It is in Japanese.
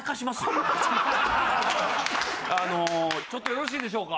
あのちょっとよろしいでしょうか？